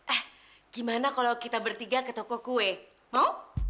eh gimana kalau kita bertiga ke toko kue mau